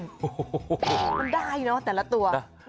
มันได้เนาะแต่ละตัว